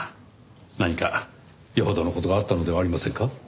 何か余程の事があったのではありませんか？